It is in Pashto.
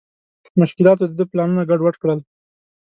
مشکلاتو د ده پلانونه ګډ وډ کړل.